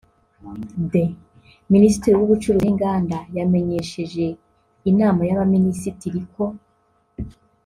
d) Minisitiri w’Ubucuruzi n’Inganda yamenyesheje Inama y’Abaminisitiri ko